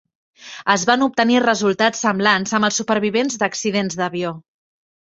Es van obtenir resultats semblants amb els supervivents d'accidents d'avió.